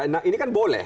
nah ini kan boleh